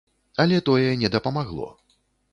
Але тое не дапамагло.